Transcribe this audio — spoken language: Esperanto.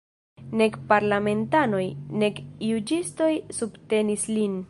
Nek parlamentanoj, nek juĝistoj subtenis lin.